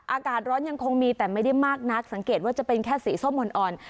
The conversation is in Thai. อากาศร้อนยังคงมีแต่ไม่ได้มากนักสังเกตว่าจะเป็นแค่สีส้มอ่อน